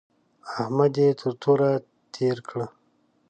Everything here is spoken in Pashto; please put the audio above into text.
احمد يې تر توره تېر کړ.